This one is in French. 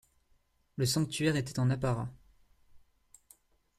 Le sanctuaire était en apparat.